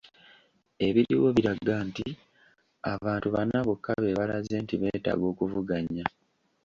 Ebiriwo biraga nti abantu bana bokka be balaze nti beetaaga okuvuganya